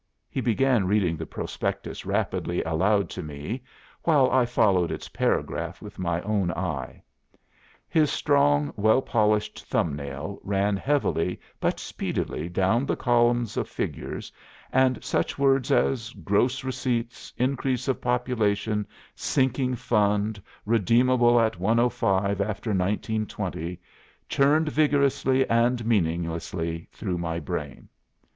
He began reading the prospectus rapidly aloud to me while I followed its paragraphs with my own eye. His strong, well polished thumb nail ran heavily but speedily down the columns of figures and such words as gross receipts, increase of population, sinking fund, redeemable at 105 after 1920, churned vigorously and meaninglessly through my brain.